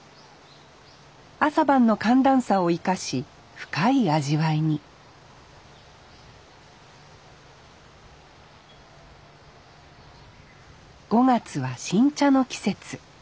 朝晩の寒暖差を生かし深い味わいに５月は新茶の季節。